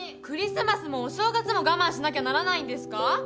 クリスマスもお正月も我慢しなきゃならないんですか？